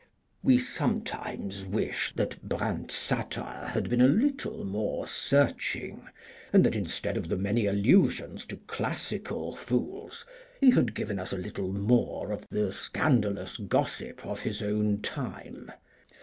We sometimes wish that Brandt's satire had been a little more searching, and that, instead of his many allusions to classical fools, ... he had given us a little more of the scandalous gossip of his own time.